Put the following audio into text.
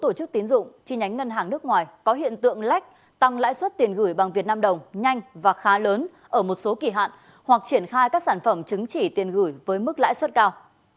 tổ chức tiến dụng chi nhánh ngân hàng nước ngoài có hiện tượng lách tăng lãi suất tiền gửi bằng việt nam đồng nhanh và khá lớn ở một số kỳ hạn hoặc triển khai các sản phẩm chứng chỉ tiền gửi với mức lãi suất cao